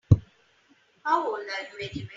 How old are you anyway?